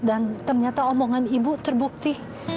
ternyata omongan ibu terbukti